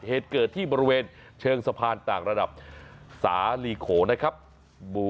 เหตุเกิดที่บริเวณเชิงสะพานต่างระดับสาลีโขนะครับ